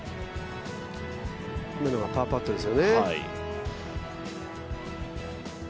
今のがパーパットですよね。